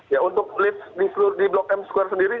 ya untuk lift di blok m square sendiri